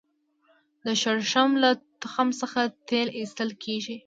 د شړشم له تخم څخه تېل ایستل کیږي